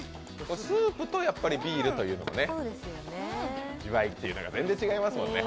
スープとビールというのもね、味わいが全然違いますもんね。